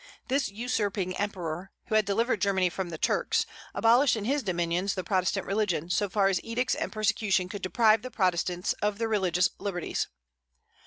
This usurping emperor, who had delivered Germany from the Turks, abolished in his dominions the Protestant religion, so far as edicts and persecution could deprive the Protestants of their religious liberties.